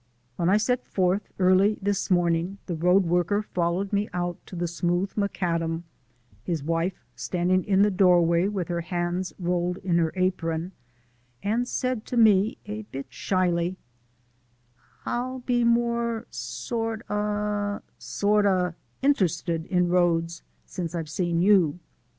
When I set forth early this morning the road worker followed me out to the smooth macadam (his wife standing in the doorway with her hands rolled in her apron) and said to me, a bit shyly: "I'll be more sort o' sort o' interested in roads since I've seen you."